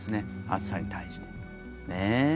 暑さに対して。